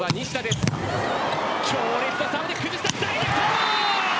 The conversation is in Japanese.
強烈なサーブで崩してダイレクト！